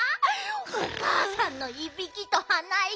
おかあさんのいびきとはないき